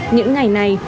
những ngày này